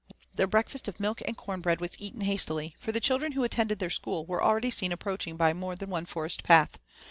Their breakfast of milk and corn bread was eaten hastily, for the children who attended their school were already seen approaching by more than one forest path.